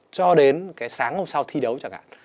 cho đến cái sáng hôm sau thi đấu chẳng hạn